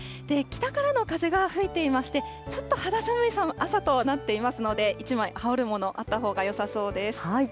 北からの風が吹いていまして、ちょっと肌寒い朝となっていますので、１枚、羽織るものあったほうがよさそうです。